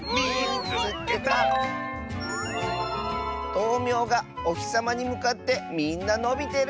「とうみょうがおひさまにむかってみんなのびてる！」。